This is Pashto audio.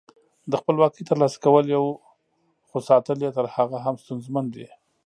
د خپلواکۍ تر لاسه کول یو، خو ساتل یې تر هغه هم ستونزمن دي.